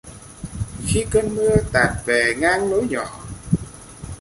Khi cơn mưa tạt về ngang lối nhỏ